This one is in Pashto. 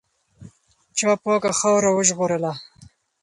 چا پاکه خاوره وژغورله؟